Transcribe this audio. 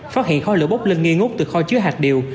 phát hiện khói lửa bốc lên nghi ngút từ kho chứa hạt điều